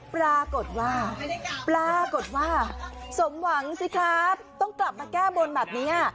ปรากฏว่าปรากฏว่าสมหวังสิครับต้องกลับมาแก้บนแบบนี้